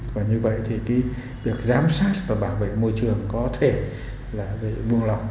và như vậy thì cái việc giám sát và bảo vệ môi trường có thể là vệ vụ vương lọc